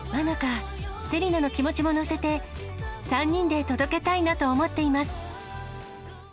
ｍａｎａｋａ、芹奈の気持ちも乗せて、３人で届けたいなと思っています。